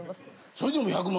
それでも１００万。